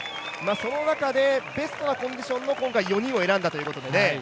その中で、ベストなコンディションの今回、４人を選んだということで。